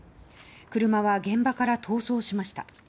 車は現場から逃走しました。